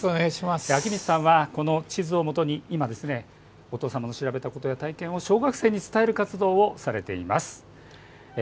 昭光さんはこの地図をもとに今はお父様の調べた体験を小学生に伝える活動をされています。